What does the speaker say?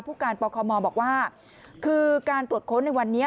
ผู้การปคมบอกว่าคือการตรวจค้นในวันนี้